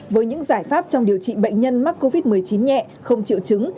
với những giải pháp trong điều trị bệnh nhân mắc covid một mươi chín nhẹ không triệu chứng